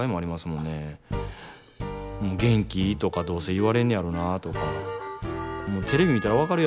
元気？とかどうせ言われんねやろなとか。